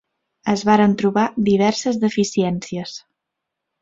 Es varen trobar diverses deficiències.